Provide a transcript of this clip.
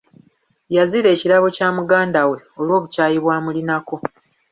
Yazira ekirabo kya muganda we lw'obukyayi bw'amulinako.